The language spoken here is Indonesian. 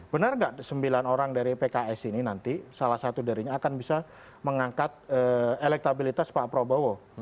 benar nggak sembilan orang dari pks ini nanti salah satu darinya akan bisa mengangkat elektabilitas pak prabowo